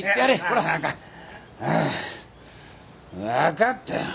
分かったよ